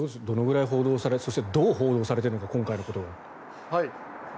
どのぐらい報道されそして、どう報道されているのか今回のことは。